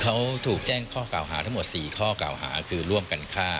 เขาถูกแจ้งข้อกล่าวหาทั้งหมด๔ข้อกล่าวหาคือร่วมกันฆ่า